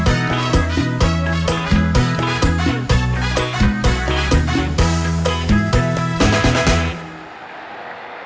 ไทยแลนด์ไทยแลนด์ไทยแลนด์สามนาคีสามนาคีประเทศไทย